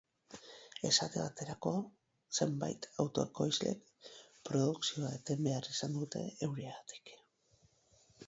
Esate baterako, zenbait auto-ekoizlek produkzioa eten behar izan dute euriagatik.